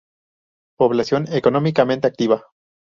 Población económicamente activa